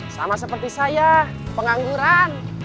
sama seperti saya pengangguran